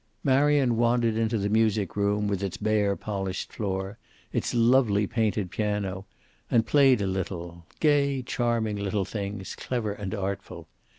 Marion wandered into the music room, with its bare polished floor, its lovely painted piano, and played a little gay, charming little things, clever and artful.